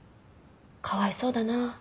「かわいそうだな」